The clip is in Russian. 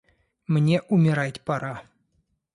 Мне умирать пора.